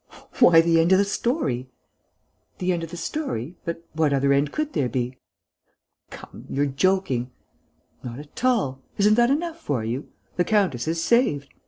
"Why, the end of the story...." "The end of the story? But what other end could there be?" "Come ... you're joking ..." "Not at all. Isn't that enough for you? The countess is saved.